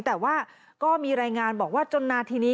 แต่ว่าก็มีรายงานบอกว่าจนนาทีนี้